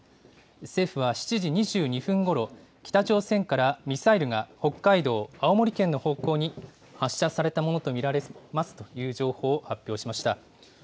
政府は７時２２分ごろ、北朝鮮からミサイルが北海道、青森県の方向に発射されたものと見られますという情報を発表しました。